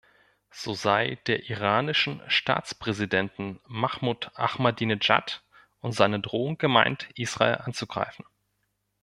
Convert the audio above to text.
So sei der iranischen Staatspräsidenten Mahmud Ahmadineschad und seine Drohung gemeint, Israel anzugreifen.